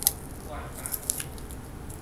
懸踏鞋